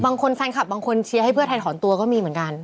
แฟนคลับบางคนเชียร์ให้เพื่อไทยถอนตัวก็มีเหมือนกัน